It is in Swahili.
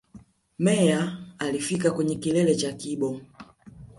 Meyer alifika kwenye kilele cha Kibo